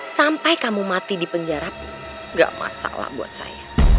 sampai kamu mati di penjara gak masalah buat saya